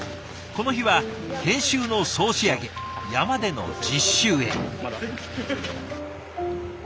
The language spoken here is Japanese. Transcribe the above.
この日は研修の総仕上げ山での実習へ。